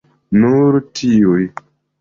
Nur tiuj.